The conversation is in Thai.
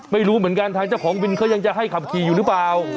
ไม่รู้เหมือนกันทางเจ้าของวินเขายังจะให้ขับขี่อยู่หรือเปล่า